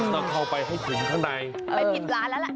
มันเอาไปให้ถึงข้างในไปผิดร้านและล่ะ